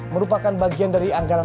merupakan bagian dari anggaran